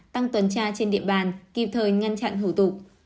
tăng tuần tra trên địa bàn kịp thời ngăn chặn hủ tục